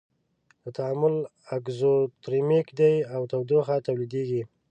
دا تعامل اکزوترمیک دی او تودوخه تولیدیږي.